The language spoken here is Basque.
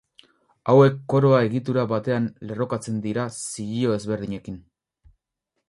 Hauek koroa egitura batean lerrokatzen dira zilio ezberdinekin.